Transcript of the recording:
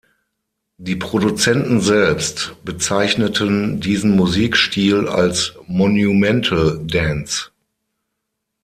Die Produzenten selbst bezeichneten diesen Musikstil als „Monumental Dance“.